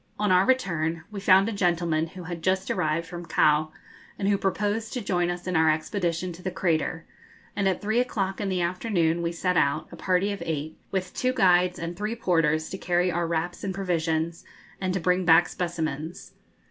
On our return we found a gentleman who had just arrived from Kau, and who proposed to join us in our expedition to the crater, and at three o'clock in the afternoon we set out, a party of eight, with two guides, and three porters to carry our wraps and provisions, and to bring back specimens.